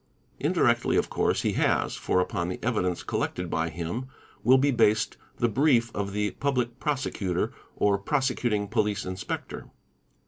Indirectly of course he has, for upon the evidence collected by him will be based the brief of the Public Prosecutor or prosecuting Police Inspector.